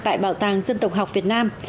tại bảo tàng dân tộc học việt nam